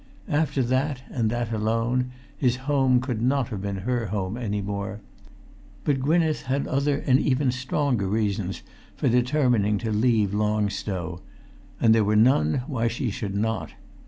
After that, and that alone, his home could not have been her home any more; but Gwynneth had other and even stronger reasons for determining to leave Long Stow; and there were none why she should not.